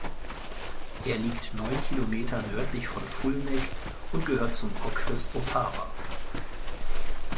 Er liegt neun Kilometer nördlich von Fulnek und gehört zum Okres Opava.